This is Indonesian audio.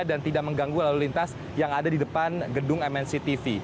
dan tidak mengganggu lalu lintas yang ada di depan gedung mnc tv